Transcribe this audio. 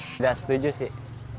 tidak setuju sih